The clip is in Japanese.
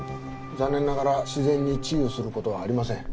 残念ながら自然に治癒する事はありません。